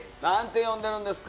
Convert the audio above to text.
なんて呼んでるんですか。